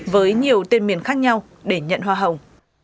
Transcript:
với nhiều tên miền khác nhau để nhận hoa hồng